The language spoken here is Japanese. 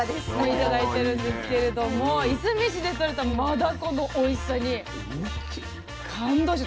頂いてるんですけれどもいすみ市でとれたマダコのおいしさに感動して。